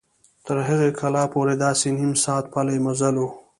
تر هغې کلا پورې داسې نیم ساعت پلي مزل و.